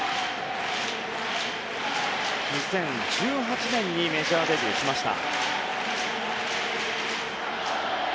２０１８年にメジャーデビューしました。